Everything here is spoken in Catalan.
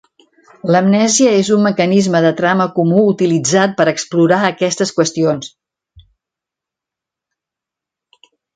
L'amnèsia és un mecanisme de trama comú utilitzat per explorar aquestes qüestions.